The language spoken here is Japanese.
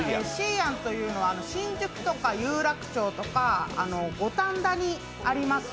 ’ＡＮというのは新宿とか有楽町とか五反田にあります